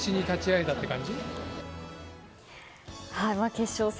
決勝戦